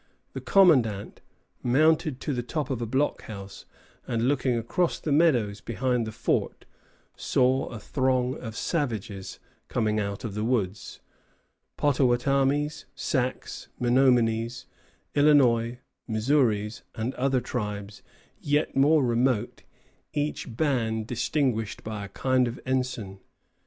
The commandant mounted to the top of a blockhouse, and, looking across the meadows behind the fort, saw a throng of savages coming out of the woods, Pottawattamies, Sacs, Menominies, Illinois, Missouris, and other tribes yet more remote, each band distinguished by a kind of ensign.